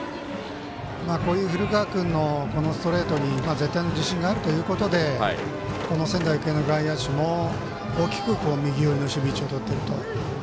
こういう古川君のストレートに絶対の自信があるということでこの仙台育英の外野手も大きく右寄りの守備位置をとっていると。